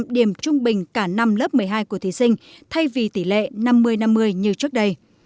điểm trung bình cả năm lớp một mươi hai của thí sinh thay vì tỷ lệ năm mươi năm mươi như trước đây